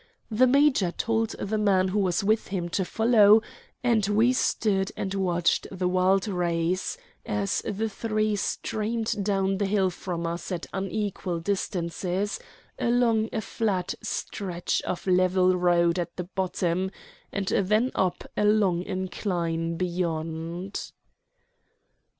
The major told the man who was with him to follow, and we stood and watched the wild race as the three streamed down the hill from us at unequal distances, along a flat stretch of level road at the bottom, and then up a long incline beyond.